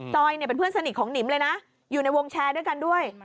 เป็นเพื่อนสนิทของหนิมเลยนะอยู่ในวงแชร์ด้วยกันด้วย